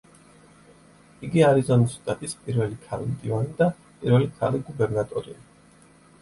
იგი არიზონის შტატის პირველი ქალი მდივანი და პირველი ქალი გუბერნატორია.